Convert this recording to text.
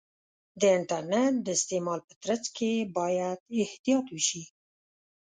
د انټرنیټ د استعمال په ترڅ کې باید احتیاط وشي.